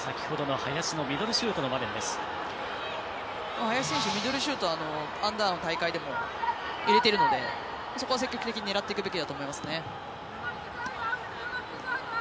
林選手、ミドルシュートアンダーの大会でも入れているのでそこは積極的に狙っていくべきだと思いますね。